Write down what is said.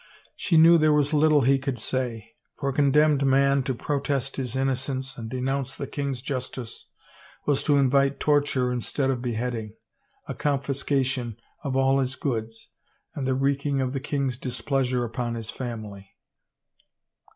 She knew there was little he could say ; for a condemned man to protest his innocence and denounce the king's justice was to invite torture instead of beheading, a confiscation of all his goods, and the wreaking of the king's displeasure upon his family.